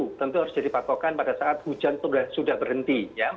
jadi itu harus dipakokkan pada saat hujan sudah berhenti